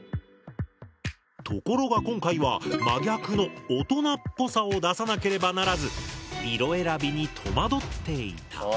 ところが今回は真逆の「大人っぽさ」を出さなければならず色選びに戸惑っていた。